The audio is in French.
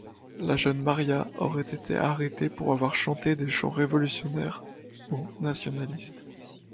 La jeune Maria aurait été arrêtée pour avoir chanté des chants révolutionnaires ou nationalistes.